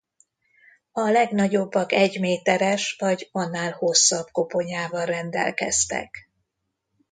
A legnagyobbak egy méteres vagy annál hosszabb koponyával rendelkeztek.